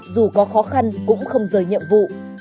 dù có khó khăn cũng không rời nhiệm vụ